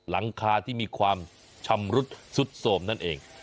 หลังคาที่มีความชำรุดสุดโสมนั่นเอง